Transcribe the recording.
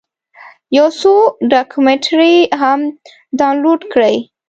یو څو ډاکمنټرۍ هم ډاونلوډ کړې.